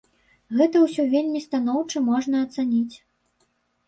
Гэта ўсё вельмі станоўча можна ацаніць.